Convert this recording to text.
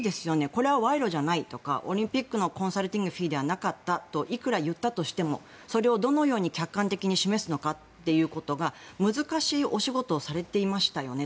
これは賄賂じゃないとかオリンピックのコンサルティングフィーではなかったといくら言ったとしてもそれをどのようにしっかり示すのかってことは難しいお仕事をされていましたよね。